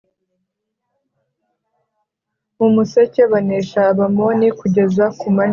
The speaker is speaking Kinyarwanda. mu museke Banesha Abamoni kugeza ku manywa